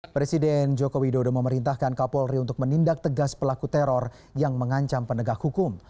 presiden joko widodo memerintahkan kapolri untuk menindak tegas pelaku teror yang mengancam penegak hukum